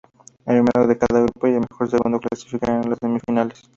El primero de cada grupo y el mejor segundo clasificarán a las semifinales.